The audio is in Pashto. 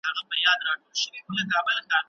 دین او سیاست دواړه د ټولني لپاره مهم دي.